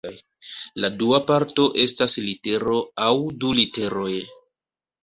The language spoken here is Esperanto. La dua parto estas litero aŭ du literoj.